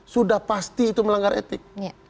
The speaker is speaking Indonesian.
sudah pasti itu melanggar etik